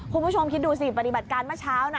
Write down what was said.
คุณผู้ชมคิดดูสิปฏิบัติการเมื่อเช้านะ